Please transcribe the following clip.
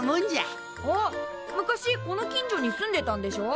ああ昔この近所に住んでたんでしょ？